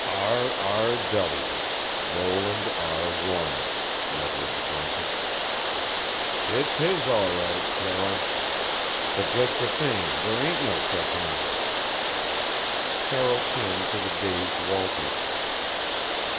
"R.R.W. Roland R. Warren!" Leverage grunted. "It's his, all right, Carroll. But just the same there ain't no such animal." Carroll turned to the dazed Walters.